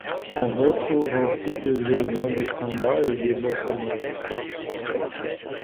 On retrouve ainsi des éléments de samba et de bossa nova.